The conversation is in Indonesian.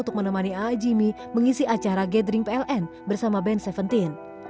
untuk menemani a i jimmy mengisi acara gathering pln bersama band seventeen